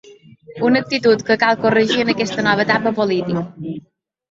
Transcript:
Una actitud que cal corregir en aquesta nova etapa política.